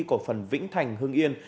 của phần vĩnh thành hưng yên